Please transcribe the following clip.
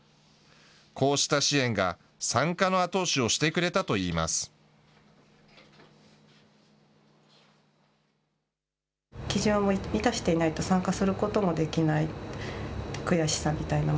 こうした支援が参加の後押しをしてくれたといいます。